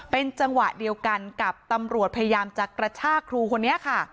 เป็นจังหวะเดียวกันกับตำรวจพยายามจะกระชากครูคนนี้ค่ะ